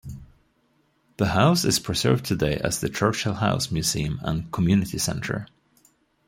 The house is preserved today as the Churchill House museum and community centre.